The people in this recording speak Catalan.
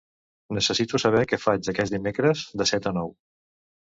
Necessito saber què faig aquest dimecres de set a nou.